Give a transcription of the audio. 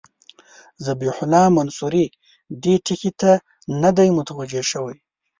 ذبیح الله منصوري دې ټکي ته نه دی متوجه شوی.